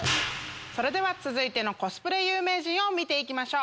それでは続いてのコスプレ有名人見て行きましょう。